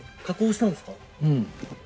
加工したんですか？